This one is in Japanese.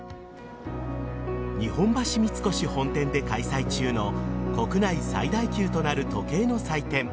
日本橋三越本店で開催中の国内最大級となる時計の祭典